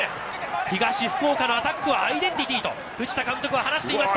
東福岡のアタックは、アイデンティティーと藤田監督は話していました。